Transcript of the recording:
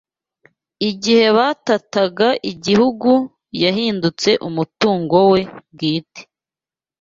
igihe batataga igihugu yahindutse umutungo we bwite